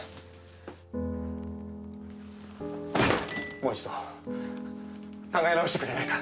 もう一度考え直してくれないか？